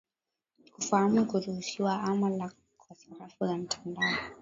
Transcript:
kufahamu kuruhusiwa ama la kwa sarafu za kimtandao